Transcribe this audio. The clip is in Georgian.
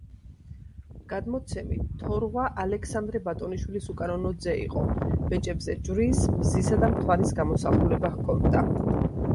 გადმოცემით თორღვა ალექსანდრე ბატონიშვილის უკანონო ძე იყო, ბეჭებზე ჯვრის, მზისა და მთვარის გამოსახულება ჰქონდა.